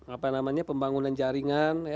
apa namanya pembangunan jaringan